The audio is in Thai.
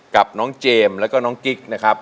กับน้องเจมส์แล้วก็น้องกิ๊กนะครับ